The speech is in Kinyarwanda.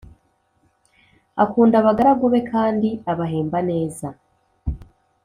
akunda abagaragu be kandi abahemba neza